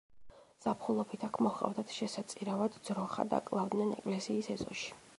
ზაფხულობით აქ მოჰყავდათ შესაწირავად ძროხა და კლავდნენ ეკლესიის ეზოში.